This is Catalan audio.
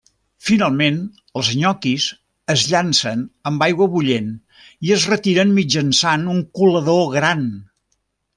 Finalment els nyoquis es llancen en aigua bullent i es retiren mitjançant un colador gran.